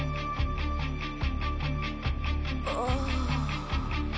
ああ。